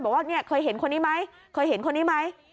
บอกว่าเคยเห็นคนนี้ไหม